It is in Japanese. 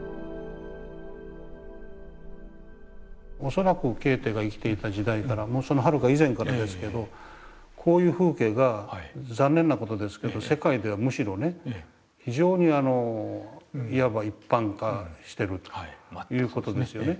恐らくケーテが生きていた時代からもうそのはるか以前からですがこういう風景が残念な事ですけど世界ではむしろね非常にいわば一般化してるという事ですよね。